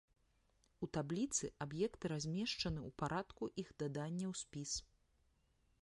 У табліцы аб'екты размешчаны ў парадку іх дадання ў спіс.